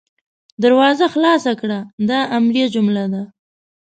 دروازه خلاصه کړه – دا امریه جمله ده.